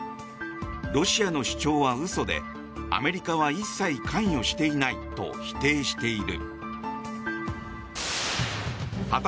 ロシアの主張は嘘でアメリカは一切関与していないと否定している。